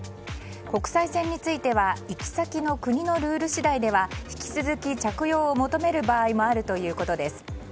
国際線については行き先の国のルール次第では引き続き着用を求める場合もあるということです。